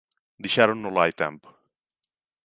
Dixéronnolo hai tempo